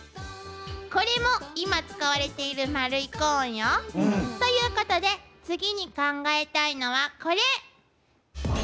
これも今使われている丸いコーンよ。ということで次に考えたいのはこれ！